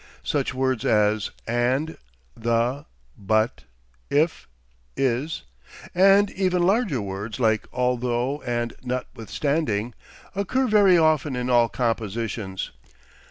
Such words as and, the, but, if, is, and even larger words, like although and notwithstanding, occur very often in all compositions.